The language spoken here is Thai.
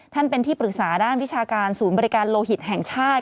ท่านเป็นที่ปรึกษาด้านวิชาการศูนย์บริการโลหิตแห่งชาติ